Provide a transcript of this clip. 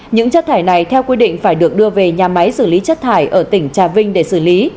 những chất thải này theo quy định phải được đưa về nhà máy xử lý chất thải ở tỉnh trà vinh để xử lý